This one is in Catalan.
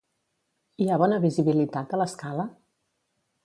Hi ha bona visibilitat a l'escala?